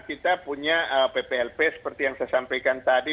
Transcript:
kita punya pplp seperti yang saya sampaikan tadi